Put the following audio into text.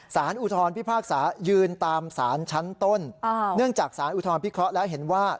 อุทธรพิพากษายืนตามสารชั้นต้นเนื่องจากสารอุทธรณพิเคราะห์แล้วเห็นว่า